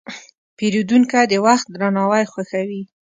پیرودونکی د وخت درناوی خوښوي.